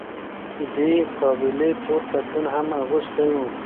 دې قابلې تور پتلون هم اغوستی و.